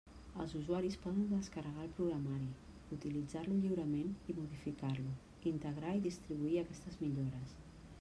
Els usuaris poden descarregar el programari, utilitzar-lo lliurement i modificar-lo, integrar i distribuir aquestes millores.